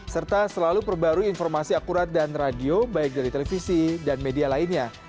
serta selalu perbarui informasi akurat dan radio baik dari televisi dan media lainnya